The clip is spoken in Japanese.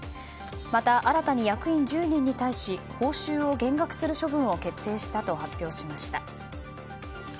また、新たに役員１０人に対し報酬を減額する処分を決定したと発表しました。